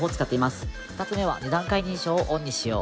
２つめは２段階認証をオンにしよう。